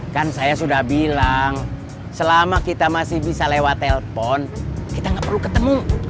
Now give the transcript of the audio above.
kan saya sudah bilang selama kita masih bisa lewat telpon kita nggak perlu ketemu